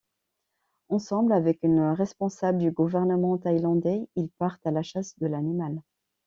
Ensemble avec une responsable du gouvernement thaïlandais, ils partent à la chasse de l'animal.